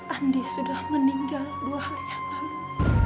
andi sudah meninggal dua hari yang lalu